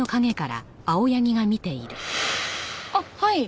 あっはい。